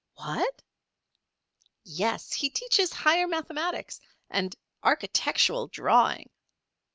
"What!" "Yes. He teaches higher mathematics and architectural drawing.